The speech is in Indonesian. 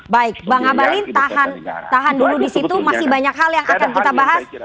baik bang abalin tahan dulu di situ masih banyak hal yang akan kita bahas